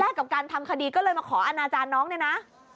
กับการทำคดีก็เลยมาขออนาจารย์น้องเนี่ยนะ